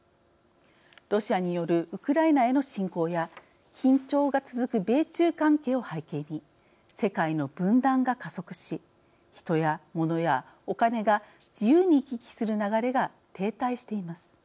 ロシアによるウクライナへの侵攻や緊張が続く米中関係を背景に世界の分断が加速しヒトやモノやおカネが自由に行き来する流れが停滞しています。